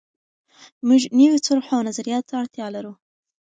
موږ نویو طرحو او نظریاتو ته اړتیا لرو.